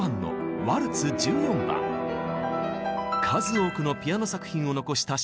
数多くのピアノ作品を残したショパン。